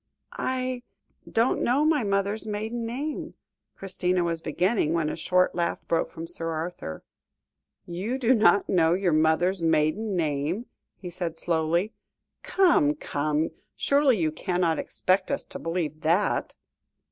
"I don't know my mother's maiden name " Christina was beginning, when a short laugh broke from Sir Arthur. "You do not know your mother's maiden name?" he said slowly; "come, come, surely you cannot expect us to believe that."